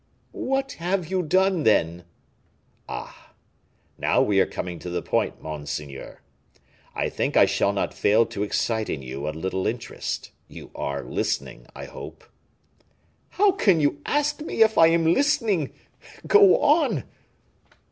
"What have you done, then?" "Ah! now we are coming to the point, monseigneur. I think I shall not fail to excite in you a little interest. You are listening, I hope." "How can you ask me if I am listening? Go on."